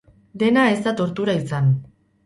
Dena ez da tortura izan.